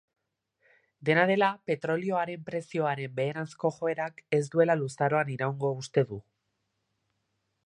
Dena dela, petrolioaren prezioaren beheranzko joerak ez duela luzaroan iraungo uste du.